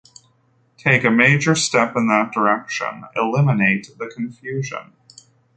Take a major step in that direction; eliminate the confusion.